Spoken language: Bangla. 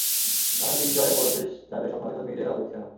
টানা তিন জয়ের পরও শেষ চারের স্বপ্ন হয়তো নিজেরাও দেখছে না।